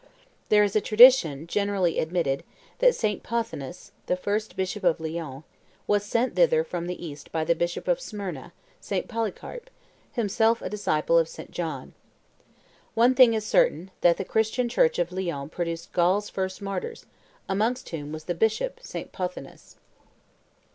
There is a tradition, generally admitted, that St. Pothinus, the first Bishop of Lyons, was sent thither from the East by the Bishop of Smyrna, St. Polycarp, himself a disciple of St. John. One thing is certain, that the Christian Church of Lyons produced Gaul's first martyrs, amongst whom was the Bishop, St. Pothinus.